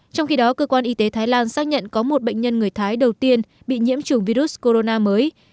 trong khi đó cơ quan y tế thái lan xác nhận có một bệnh nhân người thái đầu tiên bị nhiễm chủng virus corona mới